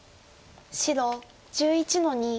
白１１の二。